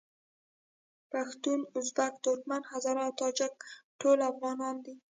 پښتون، ازبک، ترکمن، هزاره او تاجک ټول افغانان دي.